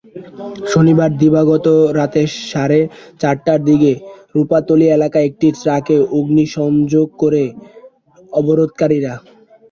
শনিবার দিবাগত রাত সাড়ে চারটার দিকে রূপাতলী এলাকায় একটি ট্রাকে অগ্নিসংযোগ করে অবরোধকারীরা।